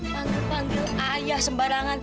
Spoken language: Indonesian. panggil panggil ayah sembarangan